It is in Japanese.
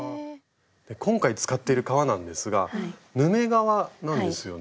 今回使っている革なんですがヌメ革なんですよね。